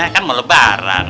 kan mau lebaran